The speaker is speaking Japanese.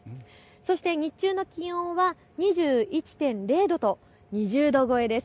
そして日中の気温は２１．０度と２０度超えです。